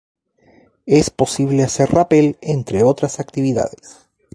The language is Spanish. Es posible hacer rappel, entre otras actividades.